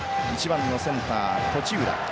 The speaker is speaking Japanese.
１番のセンター檪浦。